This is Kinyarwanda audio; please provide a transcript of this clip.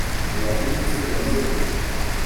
nibahute baze ubu